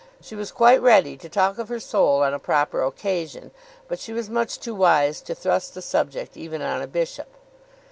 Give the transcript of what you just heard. She was quite ready to talk of her soul on a proper occasion, but she was much too wise to thrust the subject even on a bishop.